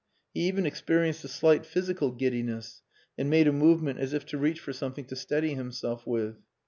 He even experienced a slight physical giddiness and made a movement as if to reach for something to steady himself with.